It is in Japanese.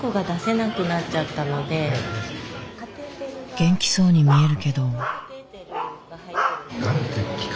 元気そうに見えるけど。